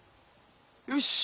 よし！